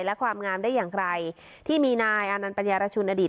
และความงามได้อย่างไรที่มีนายอานันต์ปัญญารชุนอดีต